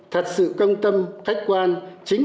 thật sự công tâm khách quan